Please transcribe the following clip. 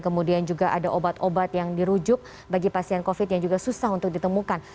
kemudian juga ada obat obat yang dirujuk bagi pasien covid yang juga susah untuk ditemukan